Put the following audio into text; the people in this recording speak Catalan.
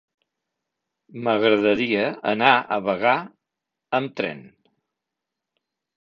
M'agradaria anar a Bagà amb tren.